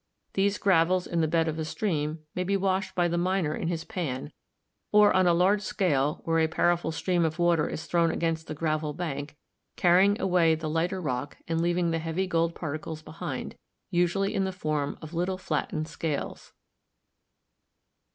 These gravels in the bed of a stream may be washed by the miner in his pan ; or, on a large scale, where a powerful stream of water is thrown against the gravel bank, carrying away the lighter rock and leaving the heavy gold particles be hind, usually in the form of little flattened scales.